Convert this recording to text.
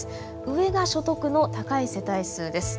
上が所得の高い世帯数です。